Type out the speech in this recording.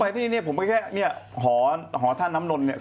ผมไปแค่หอท่านน้ำนมนต์เนี่ย